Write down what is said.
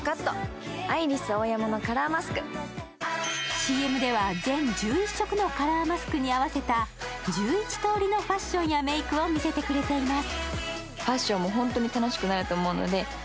ＣＭでは全１１色のカラーマスクに合わせた１１通りのファッションやメークを見せてくれてます。